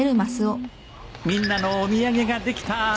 みんなのお土産ができた。